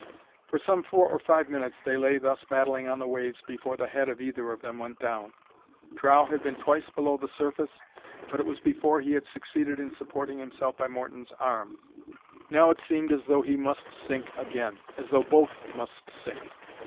For some four or five minutes they lay thus battling on the waves before the head of either of them went down. Trow had been twice below the surface, but it was before he had succeeded in supporting himself by Morton's arm. Now it seemed as though he must sink again,—as though both must sink.